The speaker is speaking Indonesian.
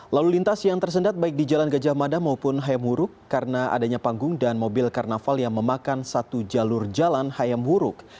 lalu lintas yang tersendat baik di jalan gajah mada maupun hayamuruk karena adanya panggung dan mobil karnaval yang memakan satu jalur jalan hayam huruk